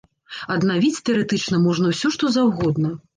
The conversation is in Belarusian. Аднавіць, тэарэтычна, можна ўсё, што заўгодна.